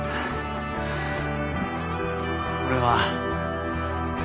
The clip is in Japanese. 俺は。